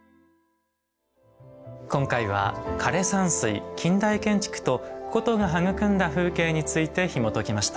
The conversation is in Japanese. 今回は枯山水近代建築と古都が育んだ風景についてひもときました。